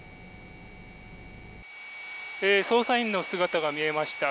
捜査員の姿が見えました。